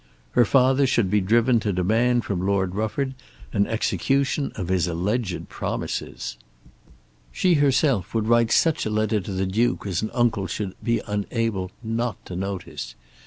Her father should be driven to demand from Lord Rufford an execution of his alleged promises. She herself would write such a letter to the Duke as an uncle should be unable not to notice.